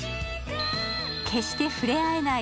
決して触れ合えない